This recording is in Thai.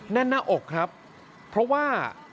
แน่นหน้าอกครับเพราะว่า